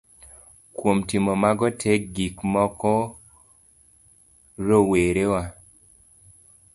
Kuom timo mago tee gi moko, rowere wa